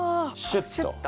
シュッと。